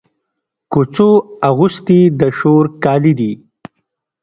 کوڅو اغوستي د شور کالي دی